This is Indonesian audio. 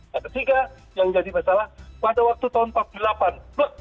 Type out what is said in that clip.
nah ketiga yang jadi masalah pada waktu tahun seribu sembilan ratus delapan puluh